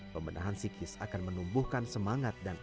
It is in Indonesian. pembenahan psikis akan menumbuhkan semangat dan rasa optimis